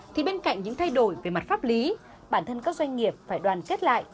thì bên cạnh những thay đổi về mặt pháp lý bản thân các doanh nghiệp phải đoàn kết lại